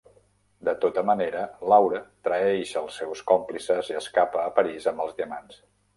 De tota manera, Laure traeix els seus còmplices i escapa a París amb els diamants.